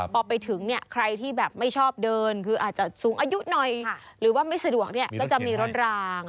พอไปถึงเนี่ยใครที่แบบไม่ชอบเดินคืออาจจะสูงอายุหน่อยหรือว่าไม่สะดวกเนี่ยก็จะมีรถราง